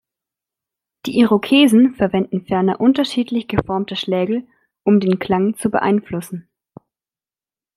Die Irokesen verwenden ferner unterschiedlich geformte Schlägel, um den Klang zu beeinflussen.